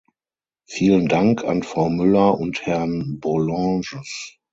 Vielen Dank an Frau Müller und Herrn Bourlanges.